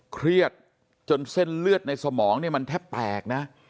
เครียดจนเส้นเลือดในสมองเนี่ยมันแทบแตกนะ